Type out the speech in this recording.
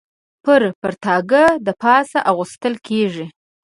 پر پرتاګه د پاسه اغوستل کېږي.